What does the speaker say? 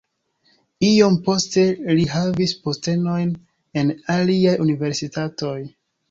Iom poste li havis postenojn en aliaj universitatoj.